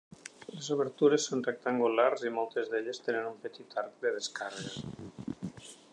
Les obertures són rectangulars i moltes d'elles tenen un petit arc de descàrrega.